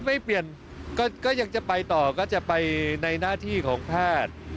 ไม่เปลี่ยนก็ยังจะไปต่อก็จะไปในหน้าที่ของแพทย์